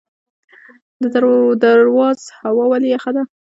د درواز هوا ولې یخه ده؟